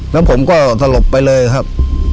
แล้วผมก็สลบไปเลยครับ